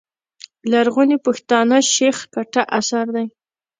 لرغوني پښتانه، شېخ کټه اثر دﺉ.